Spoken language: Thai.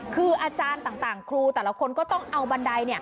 คืออาจารย์ต่างครูแต่ละคนก็ต้องเอาบันได